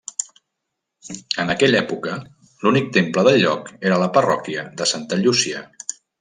En aquella època l'únic temple del lloc era la parròquia de Santa Llúcia.